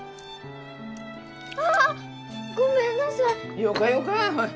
あ！ごめんなさい。